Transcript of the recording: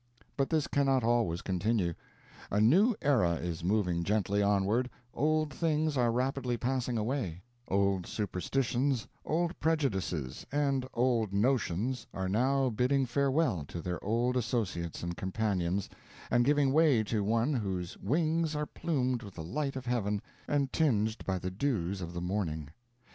But this cannot always continue. A new era is moving gently onward, old things are rapidly passing away; old superstitions, old prejudices, and old notions are now bidding farewell to their old associates and companions, and giving way to one whose wings are plumed with the light of heaven and tinged by the dews of the morning.